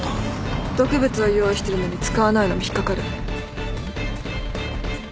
毒物を用意してるのに使わないのも引っ掛かる。